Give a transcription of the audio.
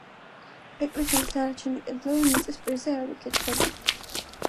ეკლესიის დანარჩენი კედლები მიწის პირზე არ იკითხება.